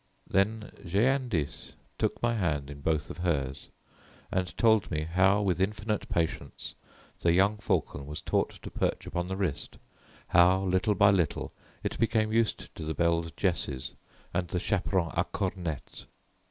Then Jeanne d'Ys took my hand in both of hers and told me how with infinite patience the young falcon was taught to perch upon the wrist, how little by little it became used to the belled jesses and the chaperon à cornette.